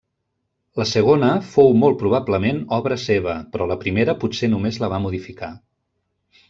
La segona fou molt probablement obra seva, però la primera potser només la va modificar.